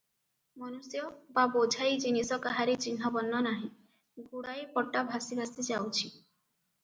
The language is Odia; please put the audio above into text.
ମନୁଷ୍ୟ ବା ବୋଝାଇ ଜିନିଷ କାହାରି ଚିହ୍ନବର୍ଣ୍ଣ ନାହିଁ, ଗୁଡ଼ାଏ ପଟା ଭାସି ଭାସି ଯାଉଛି |